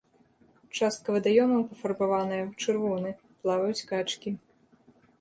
Частка вадаёмаў пафарбаваная ў чырвоны, плаваюць качкі.